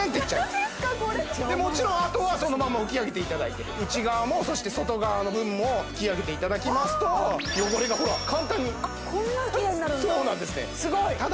ホントですかこれでもちろんあとはそのまま拭き上げていただいて内側もそして外側の分も拭き上げていただきますと汚れがほら簡単にこんなキレイになるんだそうなんですね